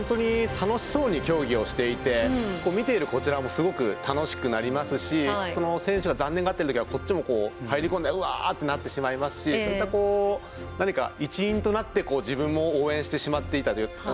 楽しそうに競技をしていて見ているこちらもすごく楽しくなりますし選手が残念がっているときはこっちも入り込んでうわー！ってなってしまいますし何か、一員となって自分も応援してしまっていた。